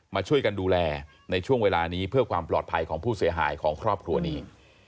มาช่วยกันดูแลในช่วงเวลานี้เพื่อความปลอดภัยของผู้เสียหายของครอบครัวนี้